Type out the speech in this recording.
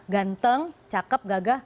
ganteng cakep gagah